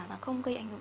và không gây ảnh hưởng